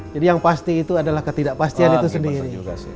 jadi yang pasti itu adalah ketidakpastian itu sendiri